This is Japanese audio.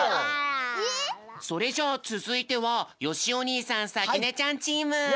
それじゃあつづいてはよしお兄さんさきねちゃんチーム！